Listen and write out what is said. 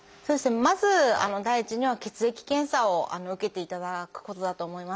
まず第一には血液検査を受けていただくことだと思います。